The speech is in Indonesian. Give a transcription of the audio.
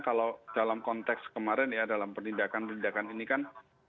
kalau dalam konteks kemarin ya dalam penindakan penindakan ini kan